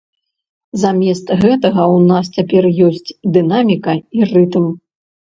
Замест гэтага ў нас цяпер ёсць дынаміка і рытм.